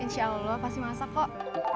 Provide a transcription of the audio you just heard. insya allah pasti masak kok